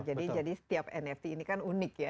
setiap nft ini kan unik ya